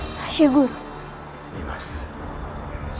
sekarang kita harus mencari penyelamatan yang menarik